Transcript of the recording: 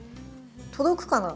届くかな？